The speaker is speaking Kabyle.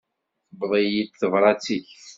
Tewweḍ-iyi-d tebṛat-ik.